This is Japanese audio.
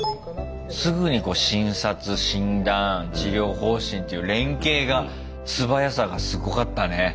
すぐに診察診断治療方針っていう連携が素早さがすごかったね。